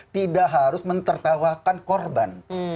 tidak harus mentertawakan korban